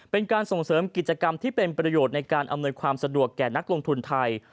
เป็นการส่งเสริมกิจกรรมที่เป็นประโยชน์ในการอำนวยความสะดวกแก่นักลงทุนไทย